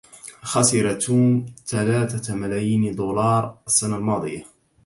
خسر توم ثلاثة ملايين دولار السنة الماضية.